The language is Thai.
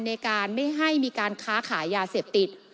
ในการไม่ให้มีการค้าขายยาเสพติด